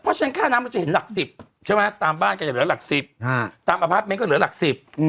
เพราะฉะนั้นค่าน้ำมันจะเห็นหลักสิบใช่ไหมตามบ้านก็จะเหลือหลักสิบตามอพาร์ทเมนต์ก็เหลือหลักสิบ